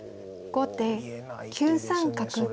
後手９三角。